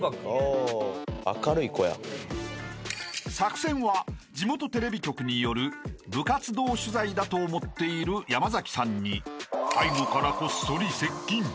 ［作戦は地元テレビ局による部活動取材だと思っている山崎さんに背後からこっそり接近］